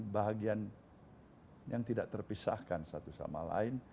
bahagian yang tidak terpisahkan satu sama lain